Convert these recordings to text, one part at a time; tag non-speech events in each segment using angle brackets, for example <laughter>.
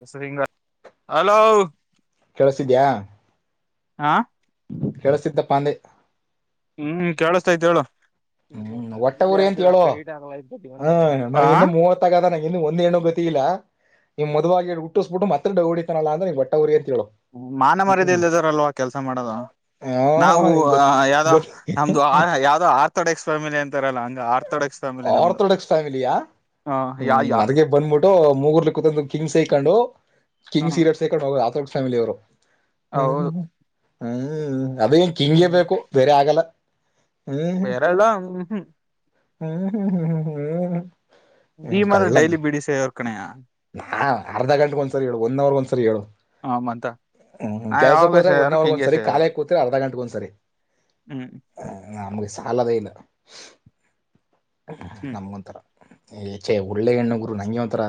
<unintelligible> Hello ಕೇಳುಸ್ತಿದ್ಯಾ? ಆ ಕೇಳುಸ್ತಿದ್ದಪ್ಪಾಂದೆ ಹ್ಮ್ ಕೇಳುಸ್ತೈತ್ ಹೇಳು. ಹ್ಮ್ ಒಟ್ಟ ಊರಿ ಅಂತ ಹೇಳು ಆ? ತಾಗ್ ನಂಗ್ ಇನ್ನು ಒಂದ್ ಹೆಣ್ಣು ಗತಿ ಇಲ್ಲ. ಇಂಗ್ ಮದುವಾಗಿರ ಹುಟ್ಟುಸ್ಬಿಟ್ಟು ಮತ್ತೆ ಇಲ್ ಡವ್ ಹೊಡೀತಾನಲ್ಲ ಅಂದ್ರೆ ಹೆಂಗ್ ಹೊಟ್ಟೆ ಉರಿಯುತ್ ಹೇಳು. ಹ್ಮ್ ಮಾನ ಮರ್ಯಾದೆ ಹ್ಮ್ ಇಲ್ದಿದೊರಲ್ವಾ ಆ ಕೆಲ್ಸ ಮಾಡೋದು? ನಾವು ಹ ಗತ್ ಯಾವ್ದೋ ಗತ್ ನಮ್ದು ಯಾವ್ದ ಆರ್ಥೋಡಕ್ಸ್ ಫ್ಯಾಮಿಲಿ ಅಂತಾರಲ್ಲಾ ಹಂಗ ಆರ್ಥಡಕ್ಸ್ ಆರ್ತಡಾಕ್ಸ್ ಫ್ಯಾಮಿಲಿಯಾ ಯಾ ಹ್ಮ ಯಾ ಅದಕ್ಕೆ ಬಂದ್ ಬಿಟ್ಟು ಮೂಗರ್ಲಿ ಕುತ ಕಿಂಗ್ಸ್ ಸೇರಕೊಂಡು ಕಿಂಗ್ಸ್ ಸಿಗರೇಟ್ ಹೊ ಅಥೆಡೆಕ್ಸ್ ಪ್ಯಾಮಿಲಿ ಅವರು ಹ್ಮ ಹೌದು ಹ್ಮ್ ಅದೇ ಹಿಂಗೆಇರ ಬೇಕು ಬೇರೆ ಆಗಲ್ಲಾ ಬೇರೆ ಎಲ್ಲಾ ಹುಂ ಹುಂ ಹುಂ ಹುಂ ನೀ ಮಾತ್ರ ಡೈಲಿ ಬಿಡಿ ಸೆದಅವ್ರ ಕಣೆಯಾ ನಾ ಅರ್ಧ ಗಂಟೆಗೆ ಒಂದ್ಸರಿ ಹೇಳು ಒಂದ್ ಅವರ್ ಒಂದ್ಸರಿ ಹೇಳು ಹ ಮತ್ತ ಹ್ಮ್ ನಾ ಕೆಲ್ಸ ಯಾವಾಗ್ಲೂ ಕೋದ್ರೆ ಒನ್ ಸೇರು ಅವರ್ಗ ಹಿಂಗೆ ಒಂದ್ಸರಿ ಸೇರೋದು ಕಾಲ ಕೂತ್ರೇ ಅರ್ಧ ಗಂಟೆಗೆ ಗ ಒಂದ್ಸರಿ. ಹ್ಮ್ ನಮಗೆ ಸಾಲದೇ ಇಲ್ಲಾ ಹ್ಮ್ ನಮ್ಗೊಂಥರಾ ಚೆ ಒಳ್ಳೆ ಹೆಣ್ಣುರು ನಂಗೆ ಒಂತರಾ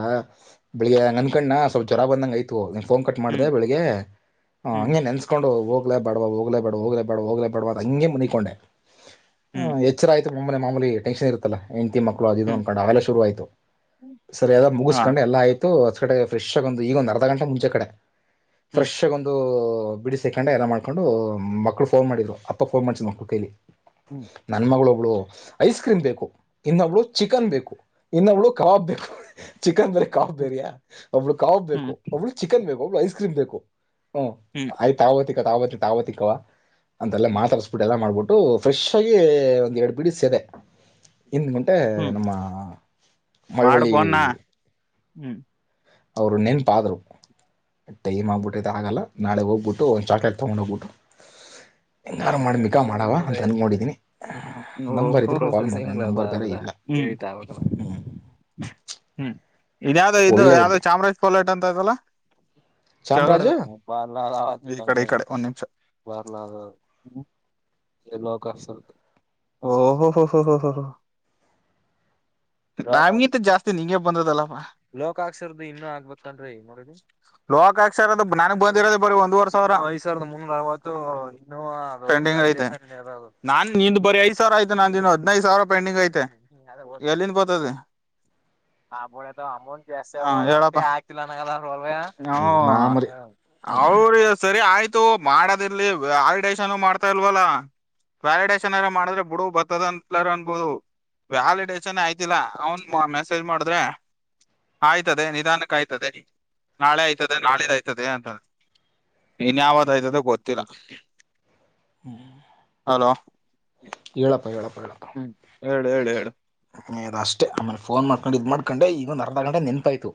ಬೆಳಿಗ್ಗೆ ಈಗ ಅನ್ ಕೋಂಡಣ್ಣ ಸ್ವಲ್ಪ ಜ್ವರ ಬಂದಾಗ ಐತಿ ಫೋನ್ ಕಟ್ ಮಾಡಿದೆ ಹ್ಮ್ ಬೆಳಗ್ಗೆ ಅವು ಹ್ಮ್ ಹಂಗೆ ನೆನಸ್ಕೊ ಕೊಂಡ ಹೋಗ್ಲೇ ಬೇಡಾ ಹೋಗ್ಲೇ ಬೇಡ ಹೋಗಲೇವಾ ಹೋಗಲೇ ಬೇಡಾ ಅ ಹಂಗೆ ಮನಕೊಂಡೆ ಎ ಹ್ಮ್ <unintelligible> ಆಯಿತು ಮಾಮುಲಿ ಮಾಮುಲಿ ಟೆನ್ಸನ ಇರುತ್ತಲ್ಲಾ ಹೆಂಡ್ತಿ ಮಕ್ಕಳು ಅದು ಹ್ಮ್ ಅಂದನ್ಕೊಂಡು ಅವೆಲ್ಲಾ ಸುರುವಾಯ್ತು ಸರಿ ಅದ ಹಾ ಮುಗಿಸ್ಕೊಂಡು ಎಲ್ಲಾ ಆಯ್ತು. ಹೊ ಕಡೆ ಫ್ರೆಶ್ ಆಗ ಒಂದು ಈಗ ಒಂದು ಅರ್ಧ ಗಂಟೆ ಮುಂಚೆ ಹ್ಮ್ ಕಡೆಫ್ರೆಶ್ ಆಗ ಒಂದು ಬಿಡಿಸಿ ಸೆಕಂಡ ಎಲ್ಲ ಮಾಡ್ಕೊಂಡು ಮಕ್ಕಳು ಫೋನ್ ಮಾಡರು ಅಪ್ಪ ಫೋನ್ ಮಾಡಸಿದ್ ಮಕ್ಕಳು ಕೈಲಿ ಹುಂ ನನ್ ಮಗಳು ಒಬ್ಳು ಐಸ್ ಕ್ರೀಮ್ ಬೇಕು, ಇನ್ನೊಬ್ಳು ಚಿಕನ್ ಬೇಕು, ಇನ್ನೊಬ್ಳು ಕಬಾಬ್ ಬೇಕು, ಚಿಕನ್ಂದ್ರೆ ಕಾವ ಹ್ಮ್ ಬೇರಯಾ ಒಬ್ಬಳು ಕಾವ ಬೇಕು ಹ್ಮ್ ಒಬ್ಳು- ಚಿಕನ್ ಬೇಕು ಒಬ್ಬಳ ಐಸ್ ಕ್ರೀಮ್ ಬೇಕು ಹಾ ಹುಂ ಯ್ ಆವೋತಿಕ ತಾವ ಆವತಿಕವ ಅಂತೆ ಎಲ್ಲ ಮಾತಾಡ್ಸಿ ಬೀಟ್ಟು ಎಲ್ಲಾ ಮಾಡ್ಬಿಟ್ಟು ಫ್ರೆಶ್ ಆಗಿ ಒಂದ್ ಎರಡು ಬಿಡಿ ಸೆದೆ ಹಿಂದ ಗುಟೆ ಹ್ಮ್ ನಮ್ಮ ಮಾಡು ಮಳವಳ್ಳಿ ಫೋನ್ನ ಹ್ಮ್ ಅವರು ನೆನ್ಪಾದ್ರು ಟೈಮ್ ಆಗ್ಬಿಟ್ಟೈತೆ ಆ ಹಾಗಲ್ಲಾ ನಾಳೆ ಹೋಗ್ ಬಿಟ್ಟು ಒಂದು ಚಾಕ್ಲೇಟ್ ತಗೊಂಡ್ ಹೋಗ್ಬಿಟ್ಟು <unintelligible> ಇಲ್ ಹದ ಹೆಂಗಾರು ಮಾಡಿ ಮಿಕಾ ಮಾಡವ ಅಂತ ಅದ ಅನ್ಕೊಂಡಿದೀನಿ ನಂಬರ್ ಇದ್ರೆ ಕಾಲ್ ಮಾಡೋಣ ನಂಬರ್ ಬೇರೆ ಇಲ್ಲ ಆದು ಹ್ಮ್ ಹುಂ ಇದ್ಯಾವ ಇದು ಒಳ್ಳೆ ಯಾವ್ದ ಹುಡ್ಗಿ ಚಾಮರಾಜ ಪೋಲಾಟ ಅಂತ ಇದಲ್ಲಾ ಕೆಳಗಡೆ ಚಾಮರಾಜು ಬಲ ಈ ಕಡೆ ಈ ಕಡೆ ಒಂದ್ ನಿಮಷ ಬಾರ್ಲ ಹ್ಮಕ ಓ ಹೊ ಹೊ ಹೊ ಹೊ ಹೊಸ ನಮ್ಗಿಂತ ಜಾಸ್ತಿ ನಿಂಗಗೆ ಬಂದಲ್ಲಪ್ ಲೋಕಾಕ್ಸರದು ಇನ್ನು ಆಗ್ಬತ್ಂದ್ರೆ <unintelligible> ಲೋಕ ಅಕ್ಷರದ ನನಗ್ ಬಂದಿರೋದ ಬರೇ ಒಂದ್ವರೇ ಸಾವಿರಾ ಐದ ಸಾವಿರದ ಮುನ್ನೂರವತ್ತು ಇನ್ನು ಪೆಂಡಿಂಗ್ ಐತೆ ನಾನ್ ನಿಂದ್ ಬರಿ ಐದ್ ಸಾವಿರ ಐತೆ ನಾ ಇನ ಹದಿನೈದು ಸಾವಿರಾ ಪೆಂಡಿಂಗ್ ಐತೆ ಎಲ್ಲಿಂದ ಬರತದೆ ಆಮೇಲೆ ಅಮೌಂಟ್ ಜಾಸ್ತಿ ಹೇಳಪ್ಪ ಆಕಂಗಿಲ್ಲ ಹಂಗಾರೆ ಈ <unintelligible> ಮಾಮೂಲಿ ಹ ಅವ್ರ ಸರಿ ಆಯ್ತು ಮಾಡದಿರ್ಲಿ ವ್ಯಾಲಿಡೇಷನ್ ಮಾಡ್ತ ಬತ ಇಲ್ವಲ್ಲ ವ್ಯಾಲಿಡೇಶನ್ ಎಲ್ಲ ಮಾಡಿದ್ರೆ ಬುಡು ಬರ್ತದಲ್ಲಾರ ಅನ್ಬೋದು ವ್ಯಾಲಿಡೇಸ್ನೇ ಆಯ್ತಿಲ್ಲ ಅವನ್ ಮೆಸೇಜ್ ಮಾಡಿದ್ರೆ ಆಯ್ತದೆ ನಿಧಾನಕ್ಕೆ ಆಯ್ತದೆ ನಾಳೆ ಆಯ್ತದೆ ನಾಳೆ ಆಯ್ತದೆ ಅಂತಾ ಇನ್ ಯಾವದ ಆಯ್ತದ ಗೊತ್ತಿಲ್ಲ. ಹ್ಮ್. ಹಲೋ. ಎಳಪ್ಪ ಎಳಪ್ಪ ಹೇಳಪ್ಪ. ಹ್ಮ್ ಹೇಳ ಹೇಳ ಹೇಳ ಇದ ಅಷ್ಟೇ ಆಮೇಲೆ ಫೋನ್ ಮಾಡ್ಕೊಂಡು ಇದು ಮಾಡ್ಕೊಂಡೆ ಈಗೊಂದ ಅರ್ಧ ಗಂಟೆ ನೆನಪಾಯ್ತು.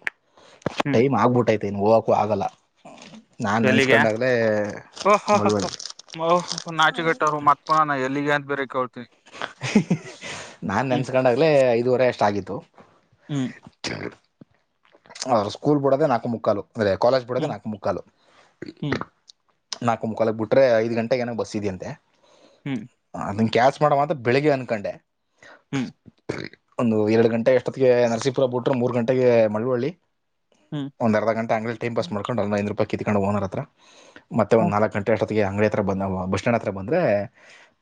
ಹ್ಮ್ ಟೈಮ್ ಆಗ್ಬಿಟ್ಟೈತೆ ಇನ್ನ ಹೋಗಕೂ ಆಗಲ್ಲ. ನಾನ ಎಲ್ಲಿಗೆ ನೆನೆಸ್ಕೊಂಡಾಗದೇ ಮುಳುವಳ್ಳ. ಓಹ ನಾಚುಗಟ್ಟರು ಮತ್ ಪೋನ ಎಲ್ಲಿಗೆ ಅಂತ ಬೇರೆ ಕೇಳ್ತೀನಿ. ನಾನ ಹ್ಮ್ ನೆನೆಸ್ಕೊಂಡಾಗಲೇ ಐದುವರೆ ಅಷ್ಟಾಗಿತ್ತು ಹ್ಮ್ ಅವರ ಸ್ಕೂಲ್ ಬುಡೋದೆ ನಾಕು ಮುಕ್ಕಾಲು ಅಂದ್ರೆ ಕಾಲೇಜ್ ಬುಡೋದೆ ನಾಕು ಮುಕ್ಕಾಲು ಹ್ಮ್ ಹ್ಮ್ ನಾಕು ಮುಕ್ಕಾಲಕ್ ಬಿಟ್ರೆ ಐದ ಗಂಟೆಗ ಏನ ಬಸ್ ಇದಿಯಂತೆ. ಹ್ಞೂ. ಅದನ ಕ್ಯಾಚ್ ಮಾಡಮ ಅಂತ ಬೆಳಿಗ್ಗೆ ಅನ್ಕೊಂಡೆ. ಹ್ಮ್. ಒಂದು ಎರಡು ಗಂಟೆ ಎಷ್ಟೊತ್ತಿಗೆ ನರಸೀಪುರ ಬಿಟ್ರೆ ಮೂರ್ ಗಂಟೆಗೆ ಮಳುವಳ್ಳಿ. ಹ್ಮ್ ಒಂದ ಅರ್ಧ ಗಂಟೆ ಅಂಗ ಟೈಮ್ ಪಾಸ್ ಮಾಡಕೊಂಡು ಒಂದು ಐದನೂರ ರೂಪಾಯಿ ಕಿತ್ಕೊಂಡ ಓನರ ಹತ್ರಾ ಹ್ಮ್ ಒಂದ್ ಹ್ಮ್ ನಲ್ಕ ಗಂಟೆ ಅಟೋ ಅಂಗಡಿ ಹತ್ರ ಬಂದಾಗ ಬಸ್ ಸ್ಟ್ಯಾಂಡ್ ಹತ್ರ ಬಂದರೆ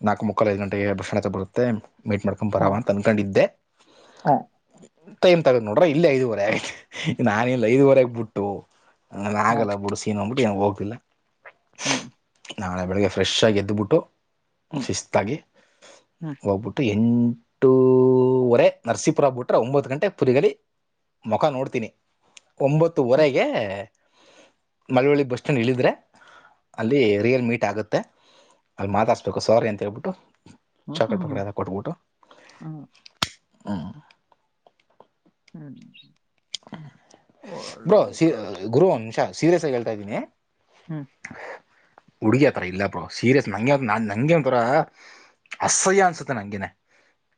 ನಾಲ್ಕು ಮುಕ್ಕಾ ಐದು ಗಂಟೆಗೆ ಬಸ್ ಸ್ಟ್ಯಾಂಡ್ ಹತ್ರ ಬರುತ್ತೆ. ಮೀಟ್ ಮಾಡ್ಕೊ ಬರವ ಅಂತ ಅನ್ಕೊಂಡಿದ್ದೆ ಹ್ಮ್ ಟೈಮ್ ತಗೊಂಡ್ ನೋಡ್ರ ಇಲ್ಲಿ ಐದುವರೆ ಆಗತಿ. ನಾನಿಲ್ಲ ಐದುವರೆಗೆ ಬಿಟ್ಟು ನನ್ ಹ್ಮ್ ಹ್ಮ್ ಆಗಲ್ಲ ಬಿಡು ಸೀನ್ ಅಂದ್ಬಿಟ್ಟು ಏನ್ ಹೋಗಿಲ್ಲ. ಹ್ಮ್. ನಾಳೆ ಬೆಳಗ್ಗೆ ಫ್ರೆಶಾಗಿ ಎದ್ಬಿಟ್ಟು. ಶಿಸ್ತಾಗಿ ಹ್ಮ್ ಹ್ಮ್ ಹ್ಮ್ ಹೋಗ್ಬಿಟ್ಟು ಎಂ ಟುವರೆ ನರಸೀಪುರ ಬಿಟ್ರೆ ಒಂಬತ್ತು ಗಂಟೆ ಪುರಿಗಲಿ ಮುಖ ನೋಡ್ ತಿನಿ ಒಂಬತ್ತುವರೆಗೆ ಮಳವಳ್ಳಿ ಬಸ್ ಸ್ಟ್ಯಾಂಡ್ ಇಳಿದ್ರೆ ಅಲ್ಲಿ ರಿಯಲ್ ಮೀಟ್ ಆಗುತ್ತೆ ಅಲ್ಲಿ ಮಾತಾಡ್ಸಬೇಕು ಸಾರಿ ಅಂತೇಳ್ಬಿಟ್ಟು. ಹ್ಮ್ ಚಾಕ್ಲೆಟ ಹ್ಮ್ ಪಾಕ್ಲೆತ ಎಲ್ಲಾ ಕೊಟ್ಬಿಟ್ಟು ಹ್ಮ್ ಹ್ಮ್. ಹ್ಮ್. ಒಳ್ಳೆ ಬ್ರೋ ಕಥೆ ಗುರು ಒಂದ್ ನಿಮಿಷ ಸೀರಿಯಸ್ ಆಗಿ ಹೇಳ್ತಾ ಇದ್ದೀನಿ ಹ್ಮ್. ಹುಡುಗಿ ಆ ತರಾ ಇಲ್ಲ ಬ್ರೋ ಸೀರಿಯಸ್ ನಂಗೆ ನ ನಂಗೆ ಒಂತರ ಅಸಹ್ಯ ಅನ್ಸುತ್ತೆ ನಂಗೇನೆ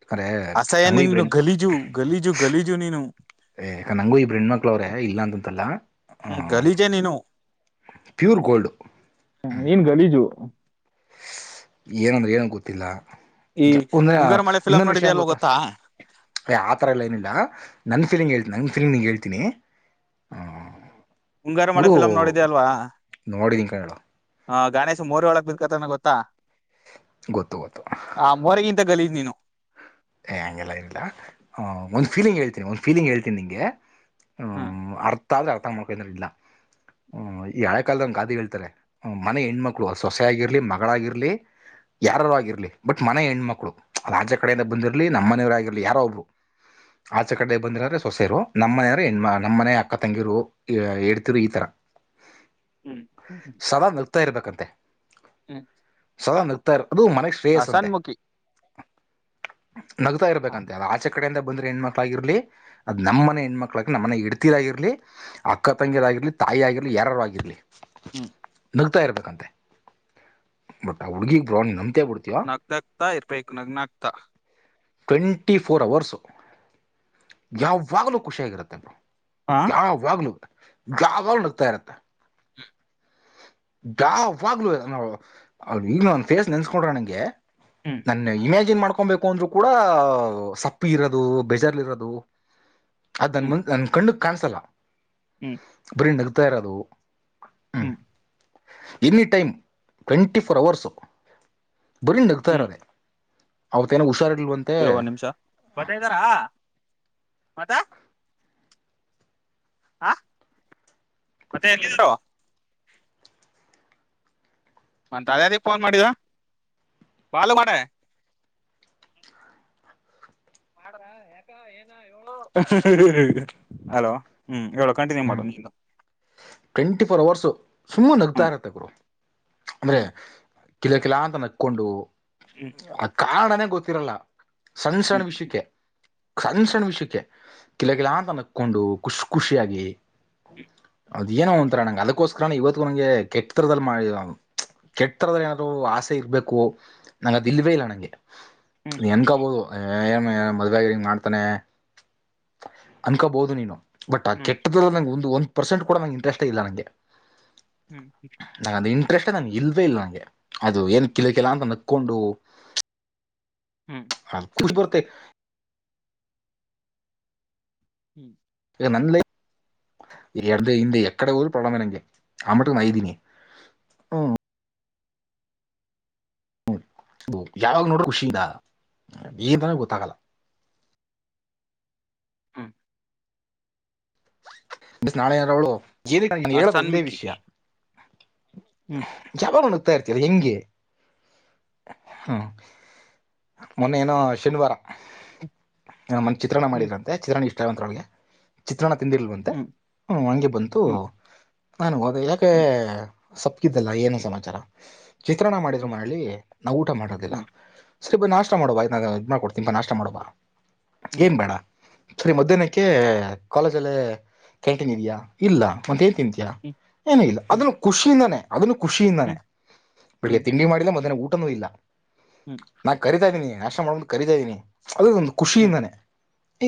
ಯಾಕಂದ್ರೆ ಅಸಹ್ಯ ನಂಗೂ ಇಬ್ರ ನೀನು ಗಲೀಜು ಗಲೀಜು ಗಲೀಜು ನೀನು ಏ ಯಾಕೆ ನಂಗೂ ಇಬ್ರ ಹೆಣ್ಮಕ್ಳುವ್ರೇ ಇಲ್ಲ ಅಂತಂತಲ್ಲ ಹಾಂ. ಎ ನೀನು ಪ್ಯೂರ್ ಗೋಲ್ಡ್ ಹ ಏನ್ ಗಲೀಜು. ಏನಂದ್ರೆ ಏನಂಗ ಗೊತ್ತಿಲ್ಲ ಈ ಒಂದ ಮುಂಗಾರು ಮಳೆ ಫಿಲಮ್ ಇನ್ನೊಂದು ವಿಷಯ ನೋಡಿದ್ಯ ಏನ್ ಅಲ್ವ ಗೊತ್ತಾ ಏ ಆಥರ ಎಲ್ಲಾ ಏನಿಲ್ಲ ನನ್ ಫೀಲಿಂಗ್ ಹ ನನ್ ಫೀಲಿಂಗ್ ನಿಂಗ ಹೇಳ್ತೀನಿ ಮುಂಗಾರು ಮಳೆ ಗುರು ಫಿಲಮ್ ನೋಡಿದೆ ಅಲ್ವಾ. ನೋಡಿದೀನಿ ಕಣೋ ಹ ಗಣೇಶ್ ಮೋರಿ ಒಳಗ್ ಬಿದ್ಕೊತಾನೆ ಗೊತ್ತಾ ಗೊತ್ತು ಗೊತ್ತು. ಆ ಮೋರಿಗಿಂತ ಗಲೀಜು ನೀನು ಏ ಹಂಗೆಲ್ಲ ಏನಿಲ್ಲಾ ಅ ಒಂದ ಫೀಲಿಂಗ್ ಹೇಳ್ತಿನಿ ಒಂದು ಫೀಲಿಂಗ್ ಹೇಳ್ತೀನಿ ನಿಂಗೆ ಹ್ಮ್ ಅರ್ಥಾ ಆದ್ರೆ ಅರ್ಥ ಮಾಡ್ಕೋ ಇಲ್ಲಾರ ಇಲ್ಲಾ ಹ್ಮ್ ಈ ಹಳೆ ಕಾಲದ ಗಾದೆ ಹೇಳ್ತಾರೆ ಮನೆ ಹೆಣ್ಮಕ್ಕಳು ಅ ಸೊಸೆಯಗಾಗಿರ್ಲಿ ಮಗಳಾಗಿರ್ಲಿ. ಯಾರಾರರು ಆಗಿರ್ಲಿ ಬಟ್ ಮನೆ ಹೆಣ್ಮಕ್ಳು ಆಚಕಡೆಯಿಂದ ಕಡೆಯಿಂದ ಬಂದಿರ್ಲಿ ನಮ್ಮನೆಯವರು ಆಗರ್ಲಿ ಯಾರೋ ಒಬ್ರು. ಆಚೆ ಕಡೆ ಬಂದಿರೋ್ರೆ ಸೊಸೆರು ನಮ್ಮನೆಯವ್ರ ಹೆಣಮ್ಮ ನಮ್ಮನೆ ಅಕ್ಕ ತಂಗಿರು. ಹೇಳ್ತಿರು ಈ ತರ. ಹ್ಮ್ಮ್ <unintelligible> ಸದಾ ನಗ್ತಾ ಇರ್ಬೇಕಂತೆ. ಹ್ಮ ಸದಾ ನಗ್ತಾರೆ ಅದು ಮನ. ಹಸಣ್ಮುಖಿ. ನಗ್ತಾ ಇರ್ಬೇಕಂತೆಲ್ಲ. ಚ್ಚ ಕಡೆಯಿಂದ ಬಂದ್ರೆ ಹೆಣ್ಮಕ್ಳ ಆಾಗಿರ್ಲಿ ಅದು ನಮ್ಮನೆ ಹೆಣ್ಮಕ್ಳಾಗಿ ನಮ್ಮನೇ ಇಡ್ತೀರ್ಗರ್ಲಿ. ಅಕ್ಕ ತಂಗಿರ ಆಗಿರ್ಲಿ ತಾಯಿ ಆಗಿರ್ಲಿ ಯಾರೂ ಆಗಿರ್ಲಿ. ಹ್ಮ್ ನಗ್ತಾ ಇರ್ಬೇಕಂತೆ ಬಟ್ ಆ ಹುಡ್ಗಿಗ್ ಬ್ರೋ ನಂಬ್ತ ಬಿಡ್ತೀವ. ನಗತಾ ಇರಬೇಕು ನಗ್ನ ನಾಗನಗ್ತಾ. ಟ್ವೆಂಟಿ ಫೋರ್ ಅವರ್ಸು ಯಾವಾಗಲೂ ಖುಷಿಯಾಗಿರುತ್ತೆಬ್ರು. ಹಾ ಯಾವಾಗ ಯಾವಾಗ ನುಗ್ತಾ ಇರತ್ತೆ. ಯಾವಾಗ್ಲುೂ ನ ಈಗ ನ ಫೇಸ್ ನೆನೆಸ್ಕೊಂಡ್ರ ನಂಗೆ. ಹ್ಮ್ ನನ್ನ ಇಮ್ಯಾಜಿನ್ ಮಾಡ್ಕೊಬೇಕು. ದ್ರು ಕೂಡ ಸಪ್ಪಿ ಇರೋದು ಬೇಜಾರ್ ಇರೋದು ಅದನ್ನ ನ ಕಂಡು. ಕಾಣಿಸಲ್ಲ. ಹ್ಞೂ ಬರೀ ನಗ್ತಾ ಇರೋದು. ಹ್ಞೂ ಹ್ಮ್ any time twenty four hours. ಬರೀ ನಗ್ತಾ ಹ್ಮ್ ಇರೋದೆ ಅವತೇಏನ ಹುಷಾರಿಲ್ವಂತ. ಇರು ಒಂದ ನಿಮಷ ಬರತ್ತ ಇದ್ರ... ಮತ್ತೆ. ಹ ಮತ್ತೆ ಹೇಗ ಇದ್ರಿರೋ. ಮ ಅದದ ಫೋನ್ ಮಾಡಿದ.. ಬಾಲು ಮಾಡ. ಹಾ ಹಾ.... ಹಲೋ. ಹ್ಮ್ ಹೇಳೋ ಕಂಟನೀವ್ ಹ್ಮ್ ಮಾಡೋ ನಿ. ಟ್ವೆಂಟಿ ಫೋರ್ ಅವರ್ಸು ಸುಮ್ಮನೆ ನಗ್ತಾ ಹ್ಮ್ ಇರತ್ತೆ ಗುರು. ಅಂದ್ರೆ ಹ್ಮ್ ಕಿಲ ಕಿಲ ಅಂತ ನಕೊಂಡು. ಹ್ಞ ಆ ಕಾರನನೇ ಗೊತ್ತಿರಲ್ಲ ಸಣ್ಣ ಸಣ್ಣ ಹ್ಮ್ ವಿಷಯಕ್ಕೆ. ಸಣ್ಣ ಸಣ್ಣ ವಿಷಯಕ್ಕೆ ಕಿಲಗಿಲ ಅಂತ ನಕ್ಕೊಂಡು ಖುಷ್ ಖುಷಿಯಾಗಿ. ಅದೆ ಏನೋ ಒಂರ ನಂಗೆ ಅದಕ್ಕೋಸ್ಕರ ಇವತ್ತು ನಂಗೆ ಕೆಟ್ಟ ತರದದಲ್ಲಿ ಮಾಡ. ಕೆಟ್ಟರದಲ್ಲಿ ಏನಾದ್ರು ಆಸೆ ಇರ್ಬೇಕು ನಂಗ ಅದು ಇಲ್ವೇ ಇಲ್ಲ ನಂಗೆ. ಹ್ಮ್ ಹ್ಮ್ ಹೆಂಗಬೋದು ಹೇ.. ಏನ್ ಮದುವೆಯ ಹಿಂಗ ಮಾಡ್ತಾನೆ ಅನ್ಕೋಬಹದು ನೀನು. ಬಟ್ ಆ ಹ್ಮ್ ಕೆಟ್ಟದಲ್ಲ ನಂಗೆ ಒಂದು ಒಂದ್ ಪರ್ಸೆಂಟ್ ಕೂಡ ನಗೆ ಇಂಟ್ರೆಸ್ಟ್ ಇಲ್ಲ ನಂಗೆ. ಹ್ಮ್ ನಂಗ ಅಂದ ಇಂಟ್ರೆಸ್ಟ್ ನಂಗೆ ಇಲ್ವೇ ಇಲ್ಲ ನಂಗೆ ಅದು ಏನ್ ಕಿಲಕಿಲ್ಲ ಅಂತ ನಕ್ಕೊಂಡು. ಹ್ಞೂ ಹಾ ಪುಷ್ಪ ಅವರ ಕೈ.... ಹ್ಮ್ ಎ ನಂದ್ಲೆ ಎ ಇ ಎಕಡೆ ಊರು ಪಳಂದನಂಗೆ ಆಮಟಿಗೆ ಮೈದೀಿನಿ ಹ್ಮ <unintelligible> ಯಾವಾಗ ನೋಡು ಖುಷಿ ಇದಾ <unintelligible> ಗೊತ್ತಾಗಲ್ಲ ಹ್ಮ ಬಿಸ್ ನಾಳೆ ಏನಾರ ಅವಳು ಏನಕ ಹೇಳದ್ ಆಸಾನ್ ಒಂದೇ ಮಿಕ್ಕಿ ವಿಷಯ. ಹ್ಮ್ ಯಾವಾಗ್ಲು ನಗ್ತಾಇರ್ತಯಲ್ಲ ಯಂಗೆ. ಹ್ಮ್ ಹ್ಞ ಮೊನ್ನೆೇ ಏನು ಶನಿವಾರ. ಹ ಮನ್ ಚಿತ್ರಣ ಹ್ಮ್ ಮಾಡಿದ್ರಂತೆ ಚಿತ್ರಣ ಇಷ್ಟಂತ್ರೊಳ್ಳಿಗೆ. ಚಿತ್ರನ್ನ ತಿಂದಿಲ್ವಂತೆ ಹ್ಮ್ ಹ್ಞೂ ಹಂಗೆ ಬಂತು ಹ್ಮ್ ನಾನು ಹೋದೆ ಯಾಕೆ ಹ್ಮ್ ಸಪ್ಪಗಿದ್ದಲ್ಲ ಏನು ಸಮಾಚಾರ ಚಿತ್ರನ್ನ ಮಾಡಿದ್ರು ಹ್ಮ್ ಮನೇಲಿ ನಾ ಊಟ ಮಾಡದಿಲ್ಲ. ಹ್ಮ್ ಹ್ಮ್ ಸರಿ ಬಾ ನಾಷ್ಟ ಮಾಡು ಬಾ ನಾ ಇದ್ ಮಾಡ್ಕೊಡ್ತೀನ್ ಬಾ ನಾಷ್ಟ ಮಾಡು ಬಾ ಹ್ಮ್ ಏನ್ ಬೇಡ. ಸರಿ ಮಧ್ಯಾಹ್ನಕ್ಕೆ ಕಾಲೇಜ್ ಅಲ್ಲೇ ಕ್ಯಾಂಟೀನ್ ಇದಿಯಾ ಇಲ್ಲ ಮ ತಿಂತಯ ಏನು ಇಲ್ಲ ಹ್ಮ್ ಹ್ಮ್ ಅದನ್ನು ಖುಷಿಯಿಂದಾನೇ. ಅದನ್ನು ಖುಷಿಯಿಂದಾನೆ ಹ್ಮ್ ಬೆಳಗ್ಗೆ ತಿಂಡಿ ಮಾಡಿಲ್ಲ ಮಧ್ಯಾಹ್ನಕ್ ಊಟನೂ ಇಲ್ಲ. ಹ್ಮ್ ನಾನ ಕರಿತಾ ಇದ್ದೀನಿ ನಾಷ್ಟ ಮಾಡ್ಬು ಕರಿತಾ ಇದೀನಿ ಅದದು ಒಂದು ಖುಷಿಯಿಂದಾನೇ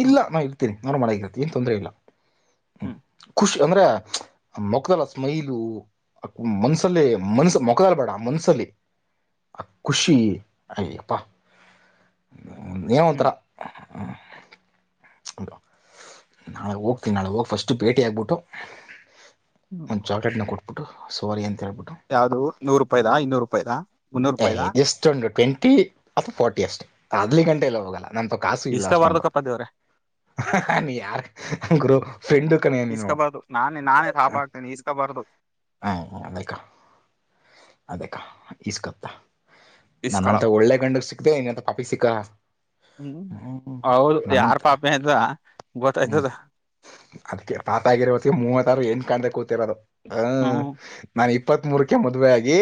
ಇಲ್ಲ ನಾ ಇರ್ತಿನಿ. ನೋರ್ ಮಳೆಗರತಿ ಏನ್ ತೊಂದ್ರೆ ಇಲ್ಲ ಹ್ಮ್ ಹ್ಮ್ ಖುಷಿ ಅಂದ್ರೆ ಮೊಖ್ದಲ್ಲ್ ಆ ಸ್ಮೈಲು. ಮನ್ಸಲ್ಲಿ ಮನ್ಸ ಮೊಕದಲ್ ಬೇಡ ಮನ್ಸಲ್ಲಿ ಆ ಖುಷಿ ಹಯ್ಯಪ್ಪಾ ಏನೋ ಒಂಥರ. <inaudible> ಹಟ ನಾಳೆ ಹೋಗ್ತೀನಿ ನಾಳೆ ಹೋಗಿ ಫಸ್ಟ್ ಭೇಟಿ ಆಗ್ಬಿಟ್ಟು ಒಂದು ಚಾಕ್ಲಲೆಟ್ನ ಕೊಟ್ಬುಟ್ಟು ಸೋರಿ ಅಂತ ಹೇಳ್ಬಿಟ್ಟು ಯಾವ್ದು ನೂರು ರೂಪಾಯಿದಾ ಇನ್ನೂರು ರೂಪಾಯಿದಾ ಮುನ್ನೂರು ರೂಪಾಯಿದಾ. ಅಷ್ಟೊಂದು ಟ್ವೆಂಟಿ ಅಥವಾ ಫೋರ್ಟಿ ಅಷ್ಟೆ ಅದಲಿ ಗಂಟೆ ಎಲ್ಲ ಹೋಗಲ್ಲ ನಂತವ್ ಕಾಸು ಇಲ್ಲ ಇಸ್ಕೋಬಾರ್ದು ಅಷ್ಟೊಂದು. ಕಪ್ಪ ದೇವ್ರೆ ಹ ಹ ಹ ನೀ ಯಾರ್ ಗುರು ಫ್ರೆಂಡು ಕನಯ್ಯ ನೀನು. ಇಸ್ಕೋಬಾರ್ದು ನಾನೇ ನಾನೇ ಸಾಪಾಕ್ತೇನೆ ಈಸ್ಕಬಾರ್ದು. ಹಾ ಅದಕ್ಕ ಅದಕ್ಕ ಈಸ್ಕತ್ತ. ನನ್ನಂತ ಇಸ್ಕಳಲ್ಲ ಒಳ್ಳೆ ಗಂಡಗ್ ಸಿಕ್ದೆ ಇನಂತ ಪಾಪಿಗ್ ಸಿಕ್ಕಾ. ಹ್ಮ್ ಹೌದು ಯಾರ್ ನಾನಂತ ಪಾಪ ಅಂತ ಗೊತ್ತಾಯ್ತದೆ. ಅದ್ಕೆ ಪಾಪಿ ಆಗಿರ ಹೊತ್ತಿಗೆ ಮೂವತ್ತಾರ ಎಣ್ ಕಾಣದೆ ಕೂತಿರೋದು ಹ್ಮ್. ನಾನು ಇಪ್ಪತ್ತ್ ಮೂರಕ್ಕೆ ಮದುವೆ ಆಗಿ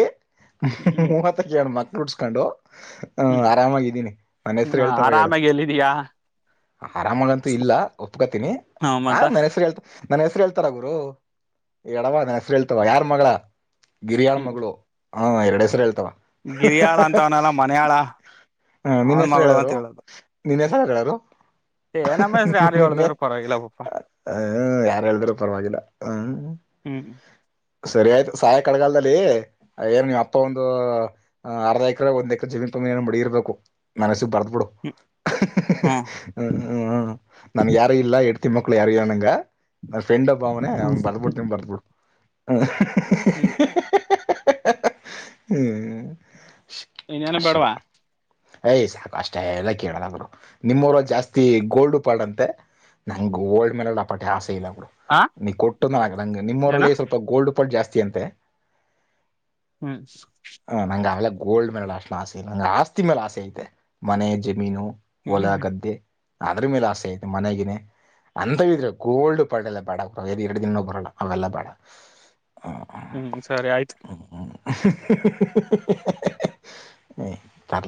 ಹ್ಮ್ ಮೂವತ್ತಕ್ಕೆರಣಡು ಮಕ್ಳು ಉಡ್ಸ್ಕೊಂಡು ಹ್ಮ್ ಆರಾಮಾಗಿದ್ದೀನಿ ನನ್ನ್ ಹ್ಮ್ ಹೆಸ್ರು ಹೇಳ್ತಾವ ಹೇಳು. ಆರಾಮಾಗಿ ಎಲ್ಲಿದೀಯಾ ಆರಾಮಾಗಂತೂ ಇಲ್ಲ ಒಪ್ಕೊತೀನಿ ಹ ಆ ಮತ್ತ ಮನ ಹೆಸರಿ ಹೇ ನನ್ ಹೆಸರು ಹೇಳ್ತಾರ ಗುರು ಎಡವಾ ನನ್ ಹೆಸರು ಹೇಳ್ತಾವ ಯಾರ್ ಮಗಳ. ಗಿರಿಯಾಳ್ ಹ್ಮ್ ಮಗಳು ಹ ಎರಡು ಹೆಸರು ಹೇಳ್ತಾವ. ಗಿರಿಯಾಳ ಅಂತವನಲ್ಲ ಮನೆಯಾಳ ಹ ನಿನ್ ಅವನ್ ಹೆಸರು ಮಗಳು ಅಂತ ಹೇಳರು ಹೇಳೋದು ನಿನ್ ಹೆಸರು ಯಾರು ಹೇಳರು. ಏ ನಮ್ಮ ಹೆಸ್ರು ಯಾರು ನಿನ್ನೆ ಹೇಳ್ದರು ಪರವಾಗಿಲ್ಲ ಪಪ್ಪಾ ಹ್ಮ್ ಯಾರು ಹೇಳಿದ್ರೂ ಪರವಾಗಿಲ್ಲ ಹ್ಮ್. ಹ್ಞೂ ಸರಿ ಆಯ್ತು ಸಾಯ ಕಳಗಾಲದಲ್ಲಿ ಏನ್ ನೀವ್ ಅಪ್ಪ ಒಂದು ಹ ಅರ್ಧ ಎಕ್ರೆ ಒಂದ್ ಎಕ್ರೆ ಜಮೀನ್ ಪಮೀನ್ ಏನ ಮಡಗಿರ್ಬೇಕು ನಿನ್ನ್ ಹೆಸ್ರಗ್ ಬರ್ದಬುಡು. ಹ್ಮ್ ಹ ಹ ಹ ಹ್ಮ್ ಹ ಹ್ಮ ಹ್ಮ ನನ್ಗ್ ಯಾರು ಇಲ್ಲ ಎಡ್ತಿ ಮಕ್ಕಳು ಯಾರ ಇಲ್ಲ ನಂಗ. ನ ಫ್ರೆಂಡ ಒಬ್ಬ ಅವನೆ ಹ್ಮ್ ಅವನಗ್ ಬರ್ದಬುಡ್ತೀನಿ ಬರ್ದಬುಡು. ಹ ಹ್ಮ್ ಹ್ಮ <unintelligible> ಹ ಇನ್ನೇನು ಶಿವ. ಬೇಡವಾ ಏಯ್ ಸಾಕು ಅಷ್ಟೇ ಎಲ್ಲ ಕ್ಕೇಳಲ್ಲಾ ಗುರು ನಿಮ್ಮವರು ಜಾಸ್ತಿ ಗೋಲ್ಡ್ ಪಾಲ್ಡಂತೆ ನಂಗ ಗೋಲ್ಡ್ ಮೆಡಲ್ ಆಪಾಟಿ ಆಸೆ ಇಲ್ಲ ಬಿಡು ಆ ನೀ ಕೊಟ್ಟನು ಆಗದಂಗ ಏನ ನಿಮ್ಮವರಲ್ಲಿ ಸ್ವಲ್ಪ ಗೋಲ್ಡ್ ಪಾಲ್ಡು ಜಾಸ್ತಿ ಅಂತೆ <inaudible> ಹ್ಮ್ಮ್. ಹ ನಂಗ ಆಗ್ಲೆ ಗೋಲ್ಡ್ ಮೇಲೆ ಅಷ್ಟ ಆಸೆ ಇಲ್ಲ ಆಸ್ತಿ ಮೇಲೆ ಆಸೆ ಐತೆ ಮನೆ ಜಮೀನು ಹ್ಮ್ ಹೊಲ ಗದ್ದೆ ಅದ್ರ ಮೇಲೆ ಆಸೆ ಆಯ್ತಿ ಮನೆಗಿನೇ ಅಂದ್ರ ಈಗ ಗೋಲ್ಡ್ ಪಾಲ್ಡ ಎಲ್ಲಾ ಬೆಡಾ ಎರಡು ದಿನಾನು ಬರಲ್ಲ ಅವೆಲ್ಲಾ ಬೇಡ <inaudible> ಸ್ಹ ಊಹು ಹ್ಮ್ ಸರಿ ಆಯ್ತ್ <unintelligible>